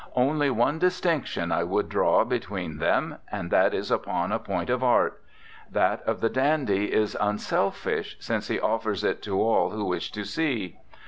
Only one distinction I would draw between them, and that is upon a point of art: that of the dandy is unselfish, since he offers it to all who wish to see.